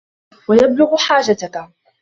وَيُبَلِّغُ حَاجَتَك